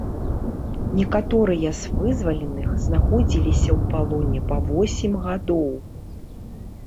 Некаторыя з вызваленых знаходзіліся ў палоне па восем гадоў.